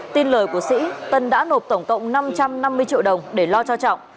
tin lời của sĩ tân đã nộp tổng cộng năm trăm năm mươi triệu đồng để lo cho trọng